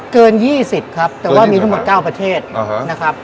เกิน๒๐ครับแต่ว่ามีทั้งหมด๙ประเทศนะครับ